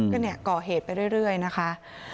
ก็เนี่ยก่อเหตุไปเรื่อยนะคะ